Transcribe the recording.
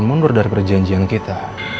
kalau lo mundur dari perjanjian kita